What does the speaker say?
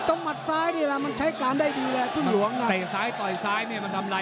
ตรงมัดซ้ายนี่แหละมันใช้การได้ดีแหละพึ่งหลวงน่ะ